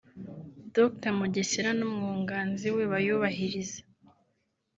Dr Mugesera n’umwunganzi we bayubahirize